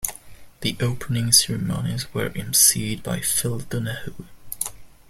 The opening ceremonies were emceed by Phil Donahue.